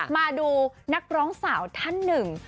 มาดูนักร้องสาวท่านหนึ่ง